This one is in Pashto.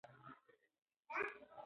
خبریال په ډګر کې د خلکو سره غږیږي.